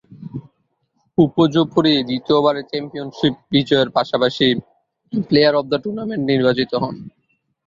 উপর্যুপরি দ্বিতীয়বারের চ্যাম্পিয়নশীপ বিজয়ের পাশাপাশি প্লেয়ার অব দ্য টুর্নামেন্ট নির্বাচিত হন।